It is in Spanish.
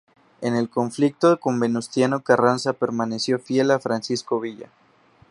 En el conflicto con Venustiano Carranza permaneció fiel a Francisco Villa.